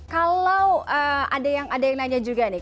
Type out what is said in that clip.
kalau ada yang nanya juga nih